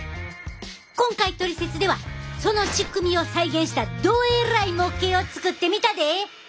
今回「トリセツ」ではその仕組みを再現したどえらい模型を作ってみたで！